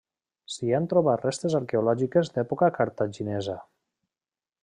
S'hi han trobat restes arqueològiques d'època cartaginesa.